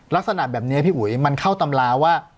ลักษณะแบบนี้พี่อุ๋ยมันเข้าตำราว่า